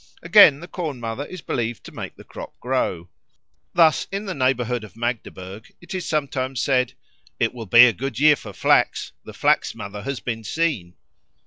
Again the Corn mother is believed to make the crop grow. Thus in the neighbourhood of Magdeburg it is sometimes said, "It will be a good year for flax; the Flax mother has been seen."